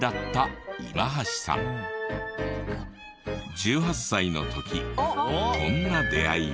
１８歳の時こんな出会いを。